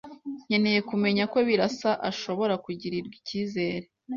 Nkeneye kumenya ko Birasa ashobora kugirirwa ikizere.